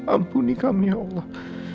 ampuni kami ya allah